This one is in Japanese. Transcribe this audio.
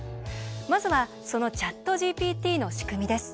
まずはそのＣｈａｔＧＰＴの仕組みです。